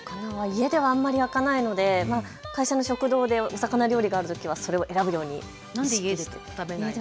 家ではあまり焼かないので会社の食堂でお魚料理があるときはそれを選ぶようにしています。